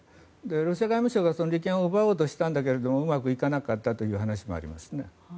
ロシア外務省が利権を奪おうとしたんだけれどもうまくいかなかったという話もありますね。